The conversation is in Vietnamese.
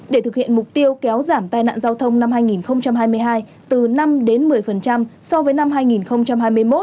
để thực hiện mục tiêu kéo giảm tai nạn giao thông năm hai nghìn hai mươi hai từ năm đến một mươi so với năm hai nghìn hai mươi một